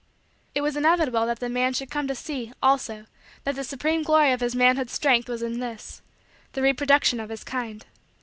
It was inevitable that the man should come to see, also, that the supreme glory of his manhood's strength was in this: the reproduction of his kind.